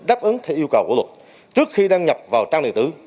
đáp ứng theo yêu cầu của luật trước khi đăng nhập vào trang điện tử